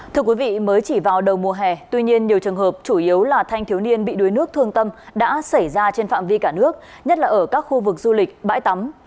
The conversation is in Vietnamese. thưa quý vị mới chỉ vào đầu mùa hè tuy nhiên nhiều trường hợp chủ yếu là thanh thiếu niên bị đuối nước thương tâm đã xảy ra trên phạm vi cả nước nhất là ở các khu vực du lịch bãi tắm